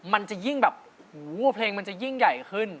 มันจะยิ่งแบบหูเพลงมันจะยิ่งใหญ่ขึ้น